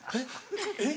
えっ？